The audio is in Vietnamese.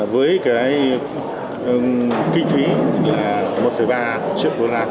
với cái kinh phí là một ba triệu đô la